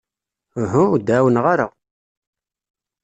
Uhu, ur d-ɛawneɣ ara.